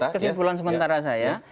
kesimpulan sementara saya